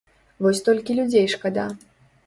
Вось толькі людзей шкада.